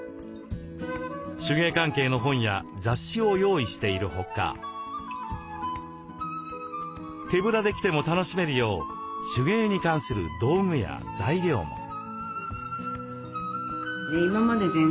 手芸関係の本や雑誌を用意しているほか手ぶらで来ても楽しめるよう手芸に関する道具や材料も。